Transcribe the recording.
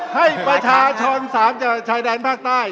ให้ประชาชนภาคด้านใส่ด้านภาคใต้